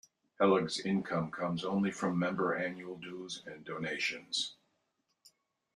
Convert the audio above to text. Hellug's income comes only from member annual dues and donations.